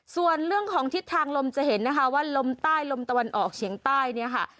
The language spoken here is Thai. ส่วนเรื่องของทิศทางลมจะเห็นนะคะว่าลมใต้ลมตะวันออกเฉียงใต้เนี่ยค่ะ